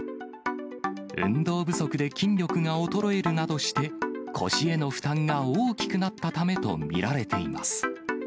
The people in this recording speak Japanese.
運動不足で筋力が衰えるなどして、腰への負担が大きくなったためと見られています。